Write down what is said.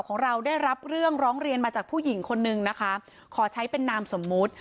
ของเราได้รับเรื่องร้องเรียนมาจากผู้หญิงคนนึงนะคะขอใช้เป็นนามสมมุติ